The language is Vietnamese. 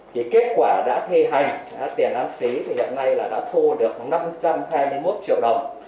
thì kết quả đã thi hành tiền án phí thì hiện nay là đã thu được năm trăm hai mươi một triệu đồng